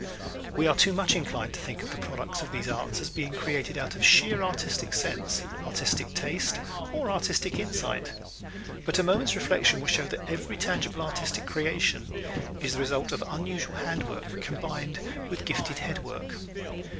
_ We are too much inclined to think of the products of these arts as being created out of sheer artistic sense, artistic taste or artistic insight. But a moment's reflection will show that every tangible artistic creation is the result of unusual hand work combined with gifted head work.